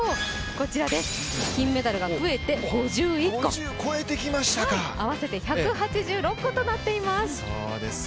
こちらです、金メダルが増えて５１個合わせて１８６個となっています。